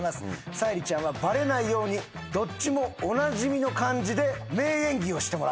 沙莉ちゃんはバレないようにどっちもおなじみの感じで名演技をしてもらうと。